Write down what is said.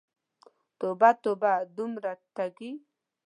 توبه، توبه، دومره ټګې!